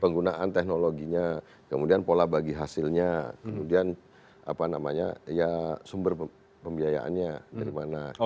penggunaan teknologinya kemudian pola bagi hasilnya kemudian sumber pembiayaannya dari mana